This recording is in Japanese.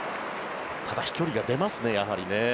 ただ飛距離が出ますねやはりね。